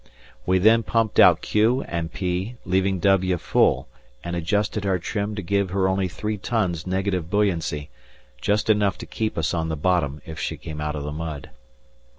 ETIENNE.] We then pumped out "Q" and "P," leaving "W" full, and adjusted our trim to give her only three tons negative buoyancy, just enough to keep us on the bottom if she came out of the mud.